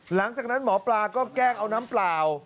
หลังจากนั้นหมอปลาก็แกล้งเอาน้ำเปล่า